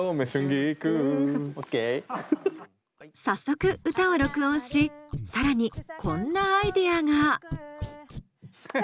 早速歌を録音し更にこんなアイディアが。